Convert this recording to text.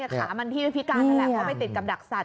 ขามันที่พิการแหละก็ไปติดกับดักสัตว์